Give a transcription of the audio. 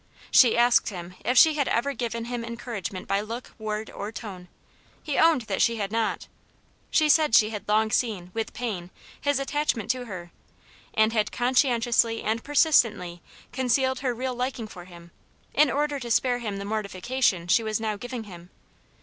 She asked him if she had ever given him encouragement by look, word, or tone ; he owned that she had not. She said she had long seen, with pain, his attachment to her, and had conscientiously and persistently con [ cealed her real liking for him, in order to spare 1 him the mortification she was now giving him.